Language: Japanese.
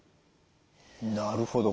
なるほど。